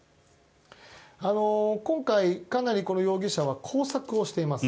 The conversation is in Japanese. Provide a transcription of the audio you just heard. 今回かなりこの容疑者は工作をしています。